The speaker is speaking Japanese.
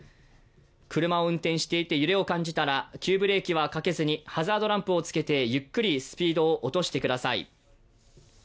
車を運転していて揺れを感じたら急ブレーキはかけずにハザードランプをつけてゆっくりスピードを落としてください。